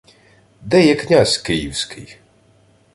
— Де є князь київський?